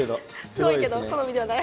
すごいけど好みではない？